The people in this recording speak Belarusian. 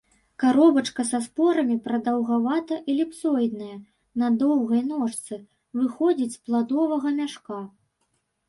Каробачка са спорамі прадаўгавата-эліпсоідная, на доўгай ножцы, выходзіць з пладовага мяшка.